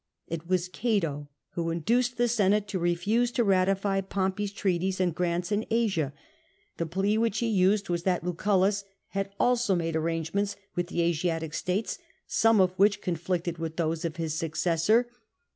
It was Cato who induced the Senate to refuse to ratify Pompey's treaties and grants in Asia : the plea which he used was that Lucullus had also made arrangements with the Asiatic states, some of which conflicted with those of his successor.